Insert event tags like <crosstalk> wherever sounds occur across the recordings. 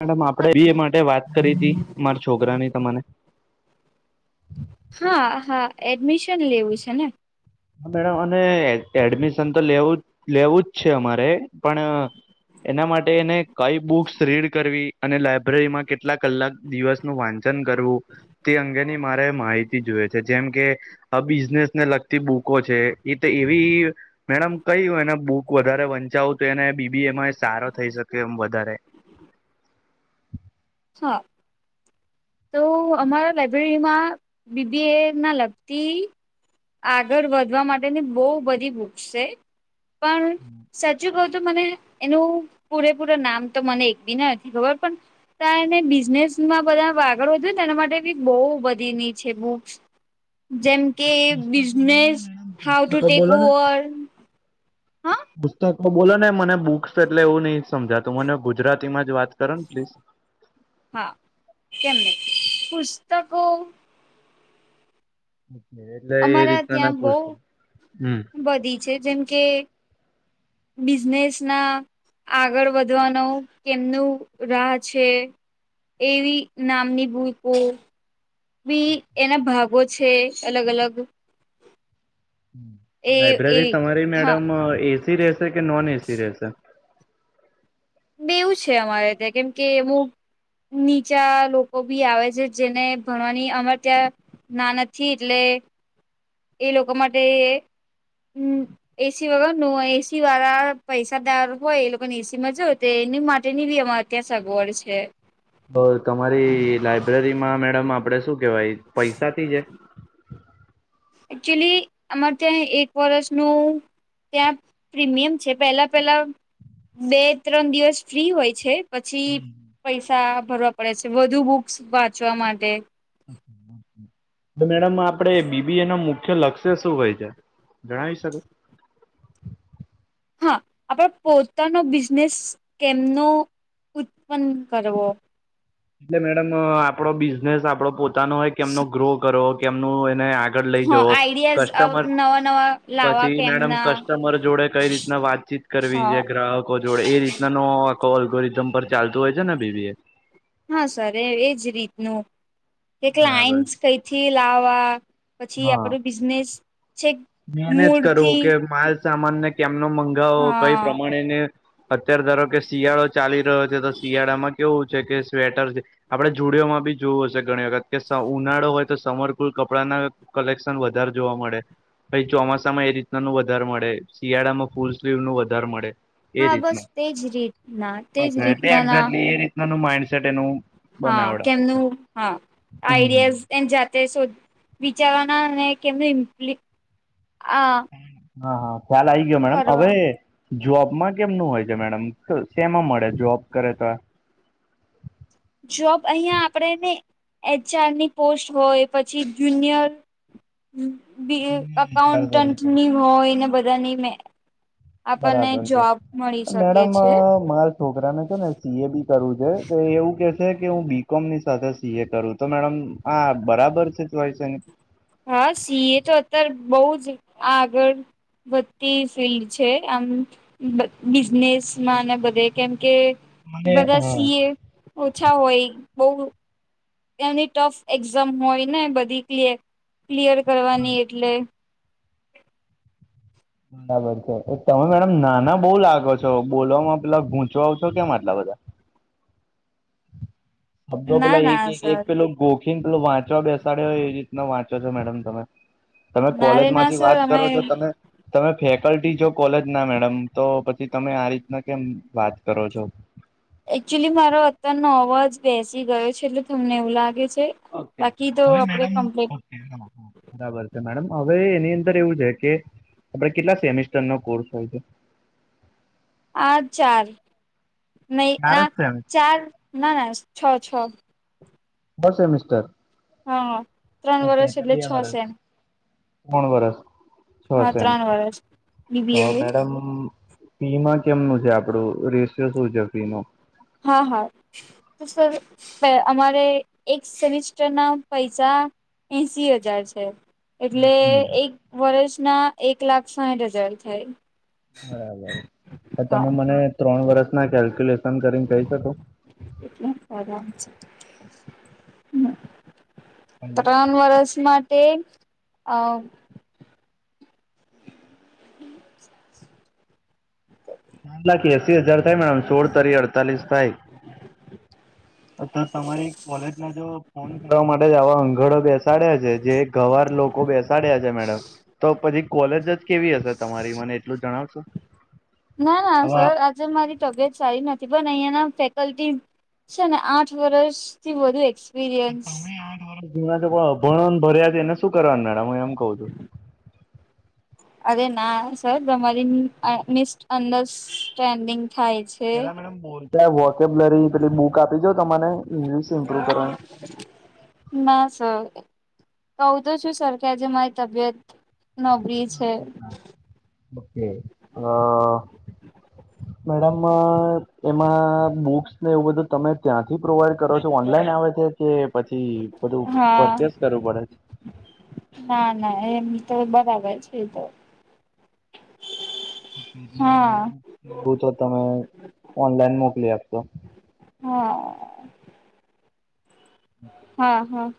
Madam આપડે બી એ માટે વાત કરી હતી મારા છોકરા ની તને હા હા એડમિશન લેવું છે ને હા મેડમ અને એડમિશન તો લેવું લેવું જ છે અમારે પણ એના માટે એને કઈ બુક્સ રીડ કરવી અને લાયબ્રેરીમાં કેટલા કલાક દિવસ નું વાંચન કરવું તે અંગેની મારે માહિતી જોવે છે જેમ કે આ બિઝનેસ ને લગ થી બુકો છે એ તો એવી મેડમ કય એને બુક વધારે વંચાવું તો એને બીબી એમાં એ સારો થઈ શકે એમ વધારે છ તો અમારા લાઈબ્રેરી માં બીબી એ ના લગતી આગળ વધવા માટેની બહુ બધી ભૂખશે પણ સાચી બ તો મને એનું પૂરેપૂર નામ તો મને એક બી ના નથી ખબર પણ ને બિઝનેસ માં બધા વાગડ એના માટે બી બહુ બધીની છે બુક્સ જેમ કે પુસ્તકો બોલો ને બિઝનેસ મેડમ હાઉ ટુ પુસ્તકો ટેક બોલો ને ઓવર હા પુસ્તકો બોલો ને મને બુક્સ એટલે એવું નહીં સમજા તું મને ગુજરાતીમાં જ વાત કરો ને પ્લીઝ હા કેમને પુસ્તકો એટલે એ અમારા રીતને ત્યાં ના બહુ પૂછતા હમ બધી છે જેમ કે બિઝનેસ ના. આગળ વધવાનો કેમનું રાહ છે. એવી નામની ભૂલકો. બી એના ભાગો છે અલગ અલગ એ એ લાયબ્રેરી તમારી હા મેડમ અ એસી રેશે કે નોન એસી રહેશે. બે એવું છે અમારે ત્યાં કેમ કે હું. નીચા લોકો ભી આવે છે જેને ભણવાની અમર ત્યાં. ના નથી એટલે. એ લોકો માટે હમ. એસી વગર નુ એસી વાળા પૈસાદાર હોય એ લોકોને એસી માં જોવ તો એની માટેની બી અ. કેસા ગોડ છે. અ તમારી લાઈબ્રેરીમાં મેડમ આપડે શું કેવાય પૈસાથી હે. એકક્ચુલી અમારે ત્યાં એક વર્ષનુ ત્યાં પ્રીમિયમ છે પહેલા પેલા બે ત્રણ દિવસ ફ્રી હોય છે. પછી પૈસા ભરવા પડે છે વધુ બુક્સ વાંચવા માટે. તો મેડમ આપડે બીબી એ નુ મુખ્ય લક્ષ્ય શું હોય છે. ઘણા હિસાે <unintelligible> હા આપણે પોતાનો બિઝનેસ કેમનો ઉત્પન્ન કરવો એટલે મેડમ આપડો બિઝનેસ આપડો પોતાનો હોય કેમનો ગ્રો કરો એમનું એને. આગળ લઈ હા જવો આઈડિયાઝ કસ્ટમર નવા નવા લાવવા પછી મેડમ કેમના કસ્ટમર જોડે કઈ રીતના વાતચીત કરવી હા છે ગ્રાહકો જોડે એ રીતના નો આખો ઓલ્ગોરિધમ પર ચાલતું હોય છે ને બીબી એ. હા સર એ એજ રીતનું એક બરાબર કલાઇટસ કઈથી લાવા. પછી હા આપણું બિઝનેસ છે. મેનેજ કરવું કે માલ સામાન ને કેમનો મંગાવો કઈ હા પ્રમાણેને અત્યારે ધારો કે શિયાળો ચાલી રહ્યો છે તો શિયાળામાં કેવું છે કે સ્વેટર આપડણે જુડીયોમાં બી જોવું હશે ઘણી વખત કે ઉનાળો હોય. તો સમરકુલ કપડા ના કલેક્શન વધારે જોવા મળે. ભાઈ ચોમાસામાં એ રીતના નું વધારે મળે શિયાળામાં ફૂલ સ્લીવ નું વધાર મળે. એ હા બસ રીતના તેજ રીતના તેજ એટલે રીતના ના એેગજેટલી એ રીતના ન માડસેટ એનું હા બનાવડાવે છે. કેમનું હા આઈડિએફ. હમ એ જાતે શોધ વિચારવાના અને કેમનું ઇમ્પ્લી આ. હા હા ખ્યાલ આઇ ગયો મેડમ હવે. કરવા જોબમાં કેમનું હોય છે મેડમ સેમાં મળે જોબ કરે તો આ જોબ અહિયાં આપણેે ને એચઆર ની પોસ્ટ હોય પછી જુનિયર બી વિચાર અકાઉન્ટન્ટ તરીકે ની હોય ને બધાની મેં. બરાબર છે મળી શકે મેડમ છે. મા છોકરાને છે ને સી એ બી કરવું છે તો એવું કે છે કે હું બીકોમ ની સાથે સી એ કરું તો મેડમ આ બરાબર છે ચોઈસ એનુ. હા સી એ તો અત્યારે બહુ જ આગળ. વધતી ફિલ્ડ છે આમ. બિ બિઝનેસમાં ને બધે કેમ કે મને બધા હા સીએ ઓછા હોય બોઉ. એની ટફ એક્ઝામ હોય ને બધી ક્લયર ક્લિયર કરવાની એટલે <inaudible> બરાબર છે તમે મેડમ નાના બઉ લાગો છો બોલવામાં પેલા ગૂંચવાવ છો કેમ આટલા બધા. <unintelligible> શબ્દો ના પેલા એક ના એક એક સર પેલો ગોખીન પેલો વાંચવા બેસાડે એ રીતના વાંચો છો મેડમ તમે તમે ના કોલેજ રે ના માંથી સર વાત અમે કરો છો તમે. તમે ફેકલ્ટી જો કોલેજ ના મેડમ તો પછી તમે આ રીતના કેમ વાત કરો છો. એકચ્યુલી મારો અત્તારનો અવાજ બેસી ગયો છે એટલે તમને એવું લાગે છે. ઓ કે બાકી તો હવે આપડે મેડમ કમ્પ્લીટ બરાબર છે મેડમ અવે એની અંદર એવું છે કે આપડે કેટલા સેમેિસ્ટરનો કોર્સ હોય છે? આ ચાર નહી ચાર જ આ સેમ ચાર ના ના છ છ છ સેમિસ્ટર? હાં ત્રણ વરસ એટલે છ સેમ તણ વરસ છ હા સમ ત્રણ વર્ષ તો બીબી એ હોય મેડમ ફીમાં કેમનું છે આપડુ? રેશિયો શું છે ફી નો? હા, હા. તો સર પે અમારે એક સેમિસ્ટસ્ટરના પૈસા એંશી અજાર છે એટલે એક વરષના એક લાખ સાઇઠ અજાર થાય. બરાબર, તો હા તમે મને ત્રણ વરસના કેલ્ક્યુલેશન કરીન કહી શકો <unintelligible> હમ હલો. ત્રન વરસ માટે અ <unintelligible> લાખ એસી હજાર થાય મેડમ સોળ તરી અડતાલીસ થાય અથ તમારી કોલેજ માં જો ફોન કરવા માટે જ આવા હંગડો બેસાડ્યા છે જે ગંવાર લોકો બેસાડ્યા છે મેડમ તો પછી કોલેજ જ કેવી હશે તમારી મને એટલું જણાવશો ના ના સર આજે મારી તબિયત સારી નથી પણ અઈયાના ફેકલ્ટીસ છે ને આઠ વરસથી વધુ એકસ તમે આઠ વરસ જૂના છો પણ અભણોન ભર્યા છે એને શું કરવાનું મેડમ ઉં એમ કઉ છું અરે ના સર તમારી આ મિસ્ટ અન્ડરસ્ટેન્ડિંગ થાય છ પેલા મેડમ બોલતા વોકેબલરી પેલી બુક આપી દઉ તમને ઈંગ્લિશ ઇમ્પ્રુવ કરવાની ના સર કઉ તો છું સર કે આજે મારી તબિયત નો બ્રિજ ઓ કે અ મેડમ એમાં બુક્સ ને એવું બધું તમે ત્યાંથી પ્રોવાઈડ કરો છો ઓનલાઈન આવે છે કે પછી બધું હા પરચેસ કરવું પડે છ ના ના એમ તો બરાબર છે એ તો હા બો ચો તમે ઓનલાઈન મોકલી આપશો. હા. હાં હાં.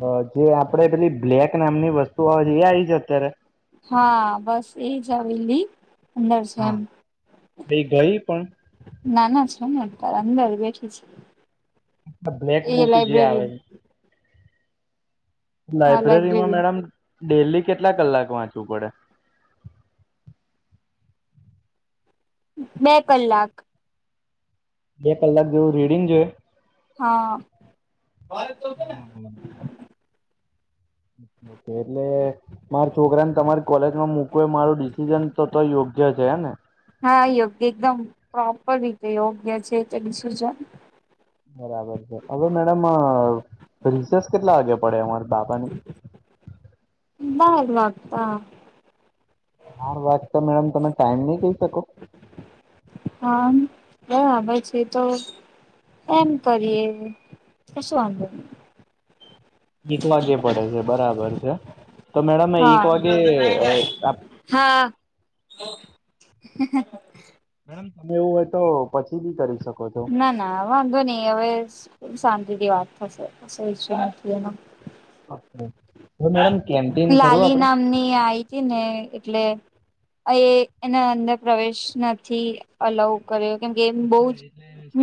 બ જે આપડે પેલી બ્લેક નામની વસ્તુ આવે છે એ આવી છ અત્યારે હા બસ એજ આવેલી અંદર હા છેમ એ ગઈ પણ ના ના છે ને અતાર અંદર બેઠી છ આ બ્લેક બુક જે આવે છ હા લાયબ્રેરીમાં લાઈબ્રેરી મેડમ ડેલી કેટલા કલાક વાંચવું પડે? બે કલાક બે કલાક જેવું રીડિંગ જોઈએ? હાં. બરાબર એટલે માર છોકરાને તમારી કોલેજમાં મુૂકવો એ મારું ડિસિઝન તો તો યોગ્ય છે હેં ને? હા યોગ્ય એકદમ પ્રોપર રીતે યોગ્ય છે <unintelligible> બરાબર છે અવે મેડમ રિસેસ કેટલા વાગે પડે અમાર બાબાની બાર વાગતા બાર વાગતા મેડમ તમે ટાઈમ નઈ કહી શકો? હા બરાબર છે તો એમ કરીએ શું વાંધો એક વાગ્યે પડે છે બરાબર છે તો મેડમ એક વાગે હા હા મેડમ તમે એવું હોય તો પછી બી કરી શકો છો ના ના ના વાંધો નહી હવે શાંતિથી વાત થશે ઈચ્છ નથી એ હવે મેડમ કેન્ટીન ખરું લલી આપડે નામની આઈ ને એટલે અ એના અંદર પ્રવેશ નથી અલાઉ કરે કેમ કે એમ બહુ જ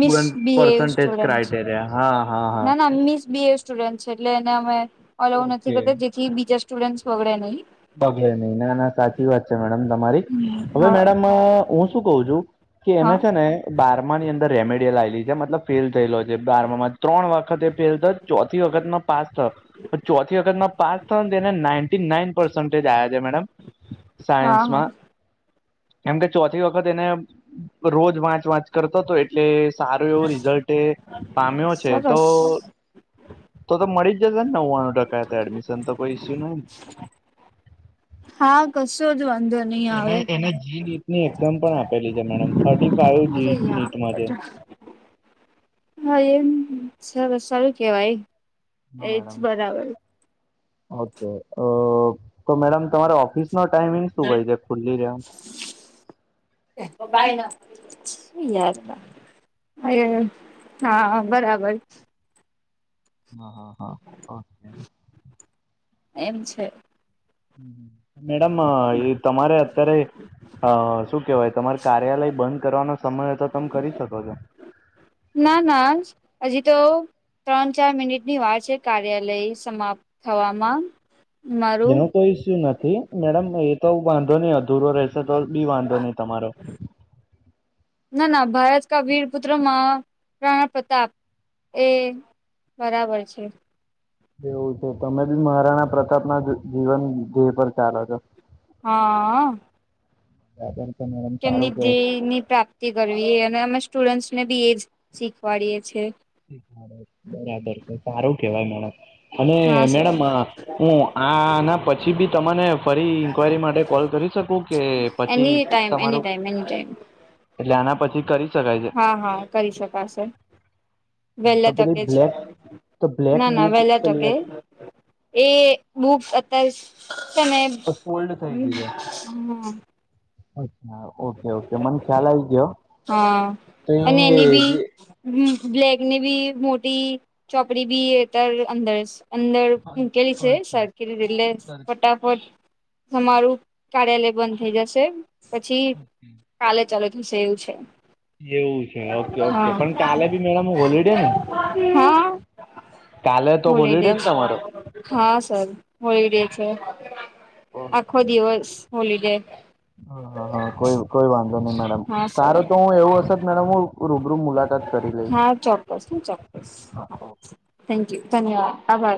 મિસ બી પર્સન્ટેજ સુડન્ટ ક્રાઈટેરિયા હા હા હા ના ના મિસ બ સ્ટુડ છે એટલે એને અમે ઓઉ નથી ઓકે કરતા જેથી બીજા સ્ટુડ વગડે નહીં બગે નહી ના ના સાચ વાત છે મેડમ તમારી હવે હા મેડમ હું શું કું છું કે હા એને છે ને બારમા ની અંદર રેમેડી લાવેલી છે મતલબ ફેલ થયેલો છે બારમામાં ત્રણ વખત એ ફેલ તો ચોથી વખતનો પાસ થયો ચોથી વખતમાં પાસ થયો તેને ના ના ડ હા સામાં હા કેમ કે ચોથી વખત એને રોજ વાંચ વાંચ કરતો હતો એટલે સારું એવું રિઝલ્ટ એ પામ્યો છે તો સરસ. તો મળી જશે ને નવ્વાણું ટકા એમિશન તોઈશ્યુ નહી હા કશો જ વાંધો નહી એ આવે. એને જી ટ ની એક્ઝામ પણ આપેલી છે મેડમ થર્ ફાઈવ અરે જી નીટમાં યાર હા એમ સર સારું કેવાય એજ મેડમ બરાબર. ઓ તો મેડમ તમારે ઓફિસ નો ટાઈમિંગ શું ભાઈ છે ખુલ્લી રહમ બ ના યાર એ હા બરાબર હા હા હા ઓકે એમ છે મેડમ એ તમારે અત્યારે અ શું કેહેવાય તમાર કાર્યાલય બંધ કરવાનો સમય તો તમે કરી શકો છો ના ના આજ તો ત્રણ ચાર મિનિટની વાર છે કાર્યાલય સમાપ્ત થવામાં મારું એનો કોઈ ઇસ્યુ નથી મેડમ એ તો વાંધો નહી અધૂરો રહેશે તો બી વાંધો નહી તમારો ના ના ભારત કા વીરપુત્ર મહારાણા પ્રતાપ એ બરાબર છે એવું છે તમે મહારાણા પ્રતાપ ના જીવન ધ્યેય પર ચાાલો છો હા હ કેમની ધ્યેય ની પ્રાપ્તિ કરવીએ અને અમે સ્ટુડન્ટ્સને બી એજ શીખવાડીએ છેીએ બરાબર છે સારું કેવાય મેડમ અને હા સર મેડમ આ હું આના પછી બી તને ફરી ઇન્ક્વાયરી માટે કોલ કરી શકું કે પછી એની ટાઈમ એની તમારું ટાઈમ એની ટાઈમ એટલે આના પછી કરી શકાય છે હા હા કરી શકાશે હા, તો વહેલા પેલી તકે જ બ્લેક તો બ્લેક ના ના બુક વેહેલા તકે પેલી એ બુબ અત્યારે સમય સોલ્ડ થઈ હમ ગઈ છે હમ અચ્છા ઓકે ઓકે મને ખ્યાલ આવી ગયો હા તો અને એ એની બી જે હ બ્લેકની ભી મોટી ચોપડી ભી એત અંદર અંદર ઉકેલી છે અચ્છા કેરી એટલે સર ફટાફટ તમારું કાર્યાલય બંધ થઈ જશે પછી ચાલે ચાલો થશે એવું છે એવું છે ઓકે ઓકે પણ હા કાલે ભી મેડમ હોલિડે ને હા કાલે તો હોલિડે ને તમારો હા સર હોલિડે છે આખો ઓકે દિવસ હોલિડે હા હા હા કોઈ કોઈ વાંધો નહી મેડમ હા માાર સર તો હું એવું હશે જ મેડમ હું રૂબરૂ મુલાકાત કરી લઈશ હા થેન્કયુ ધન્યવાદ આભા